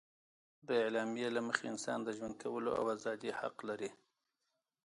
د اعلامیې له مخې انسان د ژوند کولو او ازادي حق لري.